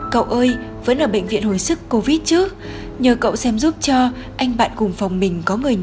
cậu ơi vẫn ở bệnh viện hồi sức covid trước nhờ cậu xem giúp cho anh bạn cùng phòng mình có người nhà